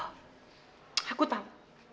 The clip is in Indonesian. oh aku tahu